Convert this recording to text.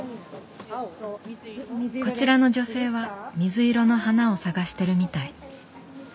こちらの女性は水色の花を探してるみたい。